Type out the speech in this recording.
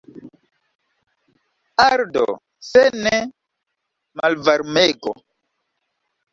Ardo, se ne, malvarmego!